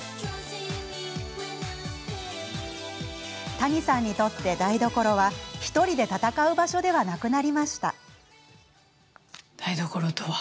谷さんにとって台所は１人で戦う場所ではなくなりました。